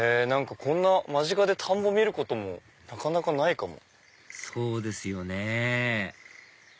こんな間近で田んぼ見ることもなかなかないかも。